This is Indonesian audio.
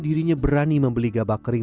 dirinya berani membeli gabak kering